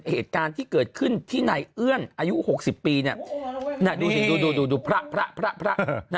เหตุการณ์ที่เกิดขึ้นที่ในเอื้อนอายุ๖๐ปีนะฮะพระพระพระพระ